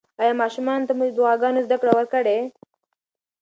ایا ماشومانو ته مو د دعاګانو زده کړه ورکړې؟